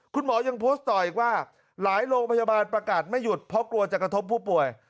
คุณหมอยังโพสต์ต่ออีกว่าหลายโรงพยาบาลประกาศไม่หยุดเพราะกลัวจะกระทบผู้ป่วย